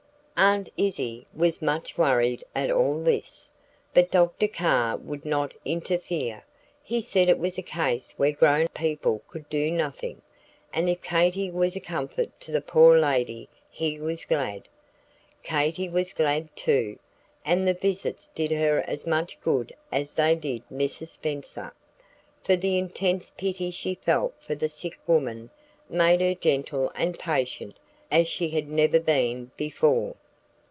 Aunt Izzie was much worried at all this. But Dr. Carr would not interfere. He said it was a case where grown people could do nothing, and if Katy was a comfort to the poor lady he was glad. Katy was glad too, and the visits did her as much good as they did Mrs. Spenser, for the intense pity she felt for the sick woman made her gentle and patient as she had never been before.